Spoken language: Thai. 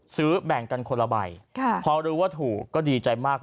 แบ่งกันคนละใบพอรู้ว่าถูกก็ดีใจมาก